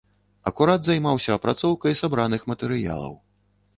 Акурат займаўся апрацоўкай сабраных матэрыялаў.